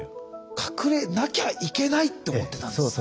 隠れなきゃいけないって思ってたんですね。